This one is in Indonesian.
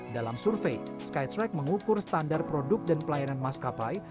dalam survei skytrack mengukur standar produk dan pelayanan maskapai